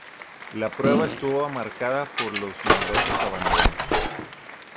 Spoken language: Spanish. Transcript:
La prueba estuvo marcada por los numerosos abandonos.